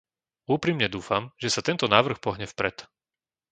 Úprimne dúfam, že sa tento návrh pohne vpred.